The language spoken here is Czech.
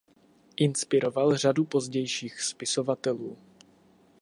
Inspiroval řadu pozdějších spisovatelů.